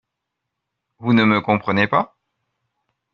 Vous ne me comprenez pas?